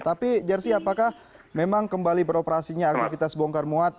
tapi jersi apakah memang kembali beroperasinya aktivitas bongkar muat